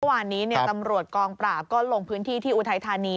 วานนี้ตำรวจกองปราบก็ลงพื้นที่ที่อุทัยธานี